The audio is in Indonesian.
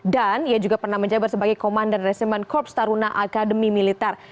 dan dia juga pernah menjabat sebagai komandan resimen korps taruna akademi militar